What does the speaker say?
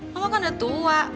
mama kan udah tua